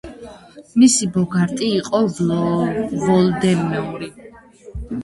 მისი ბოგარტი იყო ვოლდემორი.